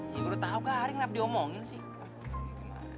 ya gue udah tahu garing kenapa diomongin sih